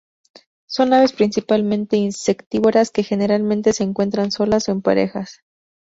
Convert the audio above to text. Son aves principalmente insectívoras que generalmente se encuentran solas o en parejas.